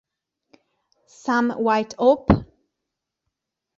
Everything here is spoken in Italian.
Some White Hope?